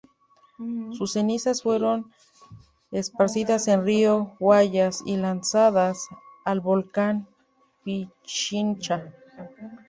Sus cenizas fueron esparcidas en río Guayas y lanzadas al volcán Pichincha.